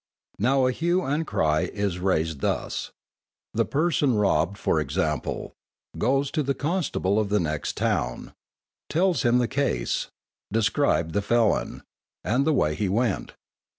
Now a hue and cry is raised thus: the person robbed, for example, goes to the constable of the next town, tells him the case, described the felon, and the way he went.